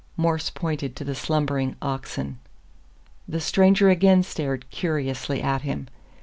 Morse pointed to the slumbering oxen. The stranger again stared curiously at him.